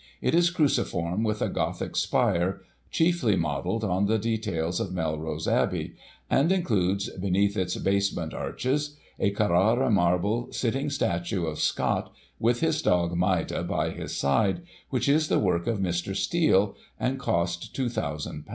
It is cruciform, with a Gothic spire, chiefly modelled on the details of Melrose Abbey ; and includes, beneath its basement arches, a Carrara marble sitting statue of Scott, with his dog Maida, by his side, which is the work of Mr. Steel, and cost ;^2,ooo.